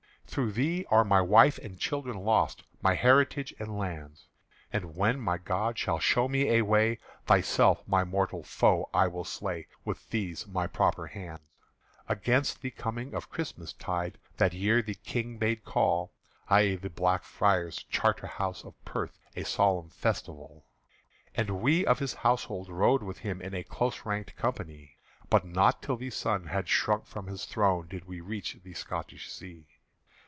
"Through thee are my wife and children lost, My heritage and lands; And when my God shall show me a way, Thyself my mortal foe will I slay With these my proper hands." Against the coming of Christmastide That year the King bade call I' the Black Friars' Charterhouse of Perth A solemn festival. And we of his household rode with him In a close ranked company; But not till the sun had sunk from his throne Did we reach the Scotish Sea.